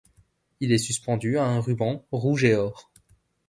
Il est suspendu à un ruban rouge et or.